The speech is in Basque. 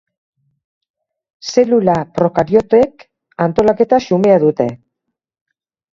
Zelula prokariotek antolaketa xumea dute